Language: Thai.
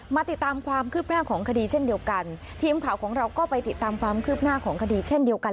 มาติดตามความคืบหน้าของคดีเช่นเดียวกันทีมข่าวของเราก็ไปติดตามความคืบหน้าของคดีเช่นเดียวกัน